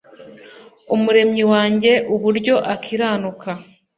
Umuremyi wanjye uburyo akiranuka